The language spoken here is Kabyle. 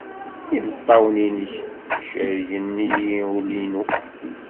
Imeṭṭawen-nnek cerrgen-iyi ul-inu!